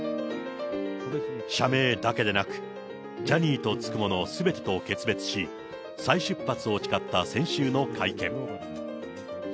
社名だけでなく、ジャニーと付くものすべてと決別し、再出発を誓った先週の会見。